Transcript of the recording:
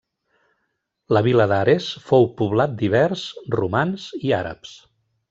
La vila d'Ares fou poblat d'ibers, romans i àrabs.